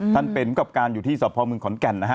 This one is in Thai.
ท่านเป็นกับการอยู่ที่สพเมืองขอนแก่นนะฮะ